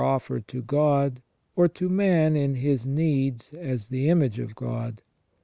offered to God, or to man in his needs as the image of God.